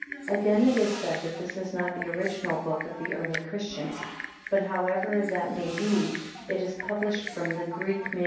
Again, it is said, that this is not the original book of the early Christians; but however that may be, it is published from the Greek MS.